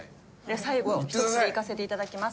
最後一口でいかせていただきます。